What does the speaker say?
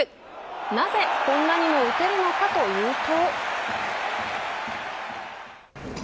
なぜ、こんなにも打てるのかというと。